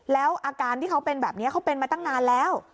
แล้วอาการที่เขาเป็นแบบนี้เขาเป็นมาตั้งนานแล้ว